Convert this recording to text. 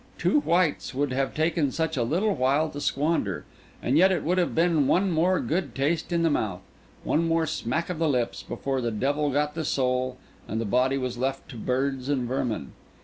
Two whites would have taken such a little while to squander; and yet it would have been one more good taste in the mouth, one more smack of the lips, before the devil got the soul, and the body was left to birds and vermin.